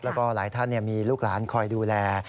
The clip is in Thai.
แล้วก็หลายท่านมีลูกหลานคอยดูแล